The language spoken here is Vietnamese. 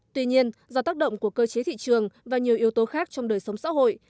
tuy nhiên do tác động của cơ chế thị trường và nhiều yếu tố khác trong đời sống xã hội